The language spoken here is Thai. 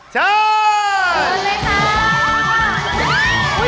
ช่วย